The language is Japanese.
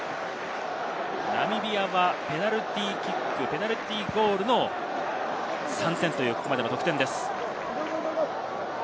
ナミビアはペナルティーキック、ペナルティーゴールの３点というここまでの得点です。